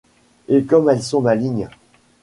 Et comme elles sont malignes !